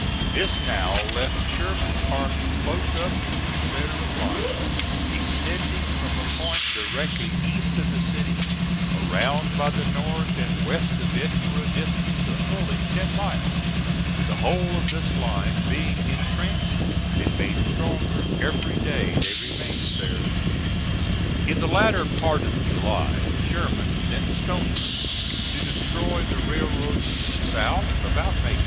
This now left Sherman's army close up to the Confederate lines, extending from a point directly east of the city around by the north and west of it for a distance of fully ten miles; the whole of this line being intrenched, and made stronger every day they remained there. In the latter part of July Sherman sent Stoneman to destroy the railroads to the south, about Macon.